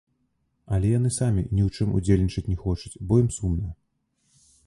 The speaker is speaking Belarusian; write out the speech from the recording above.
Але яны самі ні ў чым удзельнічаць не хочуць, бо ім сумна.